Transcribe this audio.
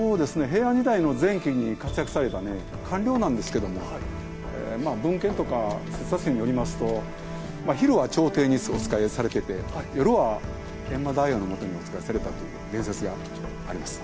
平安時代の前期に活躍された官僚なんですけど文献とかによりますと昼は朝廷におつかえされてて夜は閻魔大王のもとでおつかえされたという伝説がございます。